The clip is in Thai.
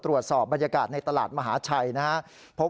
ตรวจสอบบรรยากาศในตลาดมหาชัยนะครับ